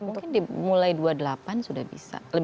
mungkin dimulai dua puluh delapan sudah bisa